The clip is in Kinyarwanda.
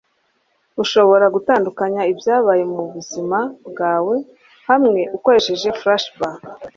Urashobora gutandukanya ibyabaye mubuzima bwawe hamwe ukoresheje flashback